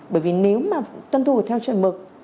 bởi vì nếu mà tuân thủ theo chuẩn mực